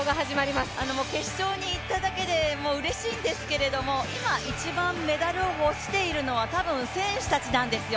決勝に行っただけで、もううれしいんですけれども、今、一番メダルを欲しているのは多分選手たちなんですよ。